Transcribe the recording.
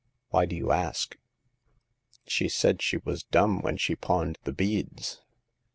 Why do you ask?" She said she was dumb when she pawned the beads."